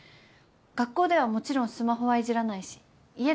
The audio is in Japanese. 学校ではもちろんスマホはいじらないし家だけなんで。